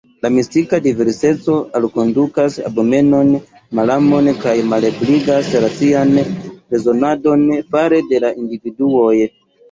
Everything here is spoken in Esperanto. La mistika diverseco alkondukas abomenon, malamon kaj malebligas racian rezonadon fare de la individuoj.